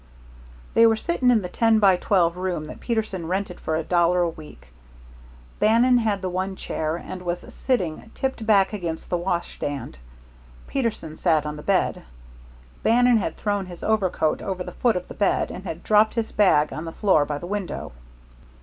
They were sitting in the ten by twelve room that Peterson rented for a dollar a week. Bannon had the one chair, and was sitting tipped back against the washstand. Peterson sat on the bed. Bannon had thrown his overcoat over the foot of the bed, and had dropped his bag on the floor by the window.